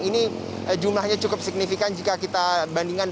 ini jumlahnya cukup signifikan jika kita bandingkan